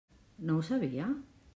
No ho sabia?